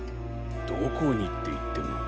どこにっていっても。